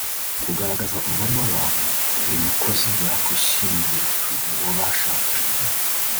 Kugaragaza umubare w’abantu buri mukozi yakwishingira (uwo bashakanye